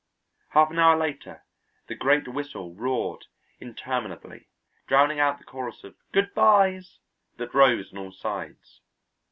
Half an hour later the great whistle roared interminably, drowning out the chorus of "good byes" that rose on all sides.